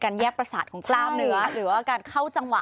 แยกประสาทของกล้ามเนื้อหรือว่าการเข้าจังหวะ